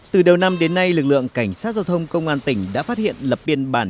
từ đầu năm đến nay lực lượng cảnh sát giao thông công an tỉnh đã phát hiện lập biên bản